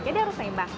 jadi harus menimbang